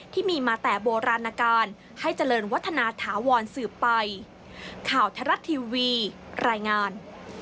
ที่มีมาแต่โบราณการให้เจริญวัฒนาถาวรสืบไปข่าวไทยรัฐทีวีรายงาน